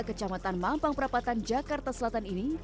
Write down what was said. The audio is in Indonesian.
kecamatan mampang perapatan jakarta selatan ini